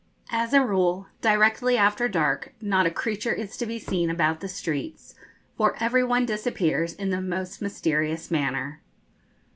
As a rule, directly after dark not a creature is to be seen about the streets, for every one disappears in the most mysterious manner.